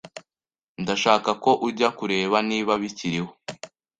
Ndashaka ko ujya kureba niba bikiriho.